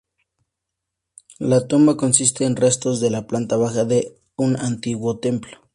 La tumba consiste en restos de la planta baja de un antiguo templo.